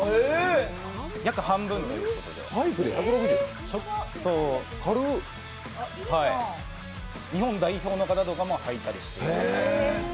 約半分ということで日本代表の方とかも履いたりしています。